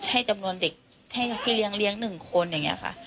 ให้จำนวนเด็กให้พี่เลี้ยง๑คนอย่างนี้ค่ะ